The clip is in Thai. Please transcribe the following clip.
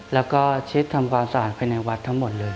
แล้วก็เช็ดทำความสะอาดภายในวัดทั้งหมดเลย